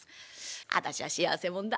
私は幸せもんだ。